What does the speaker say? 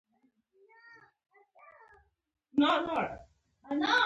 د فصلو د ناروغیو مخنیوي لپاره مخکینی تدبیر مهم دی.